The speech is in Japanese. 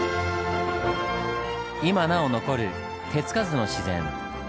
今なお残る手つかずの自然。